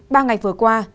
ba ngày vừa qua